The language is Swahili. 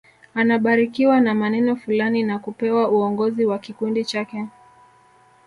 Anabarikiwa na maneno fulani na kupewa uongozi wa kikundi chake